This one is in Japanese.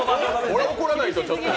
これ怒らないとちょっと。